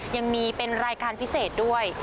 ยังมีเป็นรายการพิเศษด้วย